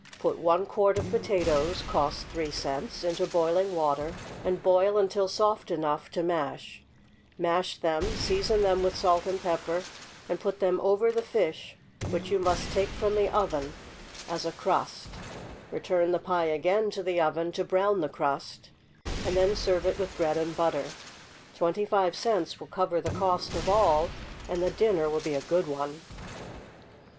Put one quart of potatoes, (cost three cents,) into boiling water, and boil until soft enough to mash; mash them, season them with salt and pepper, and put them over the fish, which you must take from the oven, as a crust; return the pie again to the oven to brown the crust, and then serve it with bread and butter. Twenty five cents will cover the cost of all, and the dinner will be a good one.